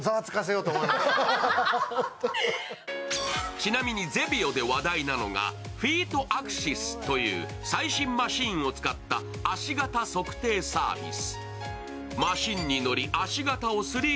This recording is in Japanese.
ちなみにゼビオで話題なのが、ＦＥＥＴＡＸＩＳという最新マシーンを使った足型測定サービス。